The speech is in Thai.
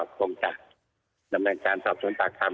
คงจะดำเนินการสอบสวนปากคำ